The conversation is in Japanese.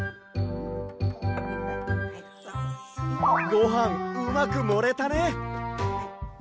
ごはんうまくもれたね。